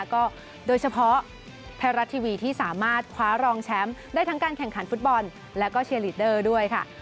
ก็โดยเฉพาะไทยรัฐทีวีที่สามารถคว้ารองแชมป์ได้ทั้งการแข่งขันฟุตบอลแล้วก็เชียร์ลีดเดอร์ด้วยค่ะ